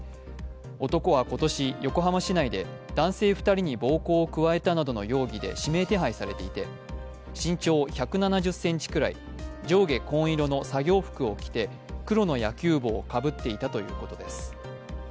男は今年、横浜市内で男性２人に暴行を加えたなどの容疑で指名手配されていて、身長１７０ｃｍくらい、上下紺色の作業服を着て黒の野球帽をかぶっていたということです。